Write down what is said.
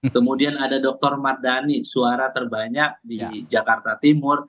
kemudian ada dr mardhani suara terbanyak di jakarta timur